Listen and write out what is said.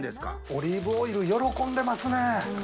オリーブオイル喜んでますね。